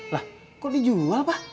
lah kok dijual pa